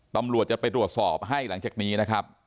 ตำรวจจะไปตรวจสอบให้หลังจากนี้นะครับ